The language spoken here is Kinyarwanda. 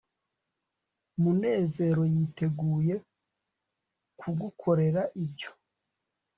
munezero yiteguye kugukorera ibyo